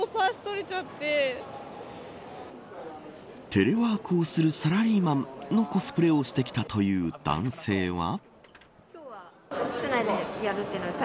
テレワークをするサラリーマンのコスプレをしてきたという男性は。